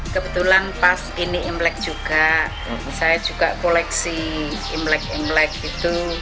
kebetulan pas ini imlek juga saya juga koleksi imlek imlek gitu